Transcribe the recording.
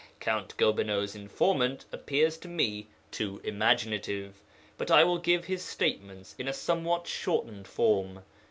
Count Gobineau's informant appears to me too imaginative, but I will give his statements in a somewhat shortened form.